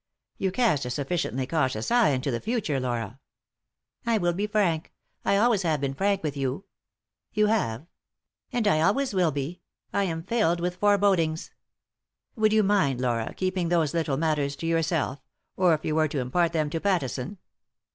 "You cast a sufficiently cautious eye into the future, Laura." "I will be frank, I always have been frank with you " "You have!" "And I always will be — I am filled with fore bodings." "Would you mind, Laura, keeping those little matters to yourself—or if you were to impart them to Pattison?"